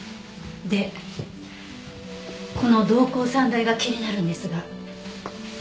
でこの瞳孔散大が気になるんですが。